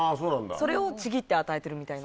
それをちぎって与えてるみたいなんですよ。